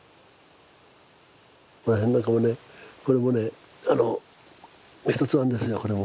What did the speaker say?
ここら辺なんかもねこれもね一つなんですよこれも。